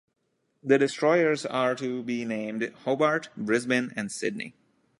The destroyers are to be named "Hobart", "Brisbane" and "Sydney".